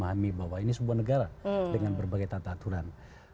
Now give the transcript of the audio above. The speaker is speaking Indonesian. dimana kemudian kita memahami bahwa ini sebuah negara dengan berbagai tata aturan